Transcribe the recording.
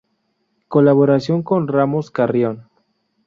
Colaboración con Ramos Carrión.